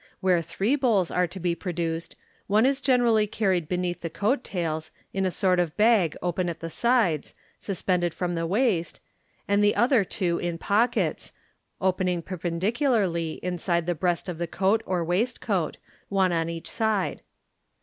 Where three bowls are to be produced, one is generally carried beneath the coat tails, in a sort of bag open at the sides, suspended from the waist, and the other two in pockets, opening perpendicularly, insido the breast of the coat or waistcoat, one on each side.